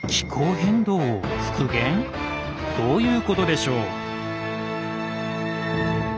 どういうことでしょう？